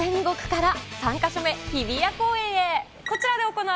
そんな天国から３か所目、日比谷公園へ。